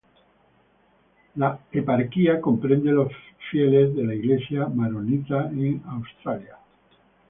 La eparquía comprende los fieles de la Iglesia maronita en Australia.